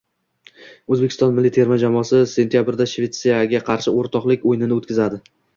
O‘zbekiston milliy terma jamoasi sentabrda Shvetsiyaga qarshi o‘rtoqlik o‘yini o‘tkazadi